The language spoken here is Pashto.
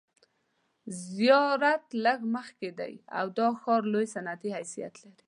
زیارت لږ مخکې دی او دا ښار لوی صنعتي حیثیت لري.